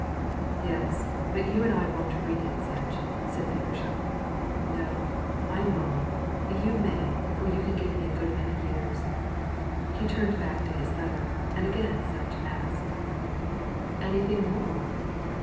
"Yes. But you and I won't read it, Sutch," said Feversham. "No; I am wrong. You may, for you can give me a good many years." He turned back to his letter and again Sutch asked: "Anything more?"